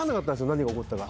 何が起こったか。